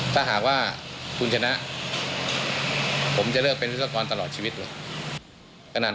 ถ้าหากว่าคุณชนะผมจะเลิกเป็นพยนต์ตะแหลกชีวิตนั่น